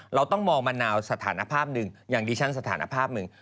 เราต้องมองมะนาวสถานภาพหนึ่งอย่างดิฉันสถานภาพหนึ่ง